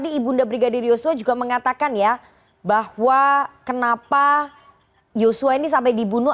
ibunda brigadir yosua juga mengatakan ya bahwa kenapa yosua ini sampai dibunuh